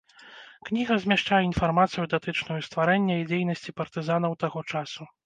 Кніга змяшчае інфармацыю датычную стварэння і дзейнасці партызанаў таго часу.